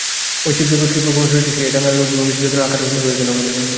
ওই ছিপছিপে ক্ষিপ্রগমন শরীরটি সেই রাঙা আলোর ভূমিকায় চিরদিন আঁকা রয়ে গেল আমার মনে।